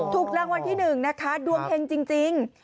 ถูกรางวัลที่๑นะคะดวงเฮงจริง